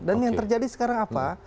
dan yang terjadi sekarang apa